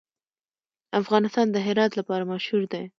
افغانستان د هرات لپاره مشهور دی.